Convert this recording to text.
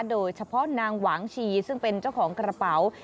โดยเฉพาะนางหวางชีซึ่งเป็นเจ้าของกระเป๋า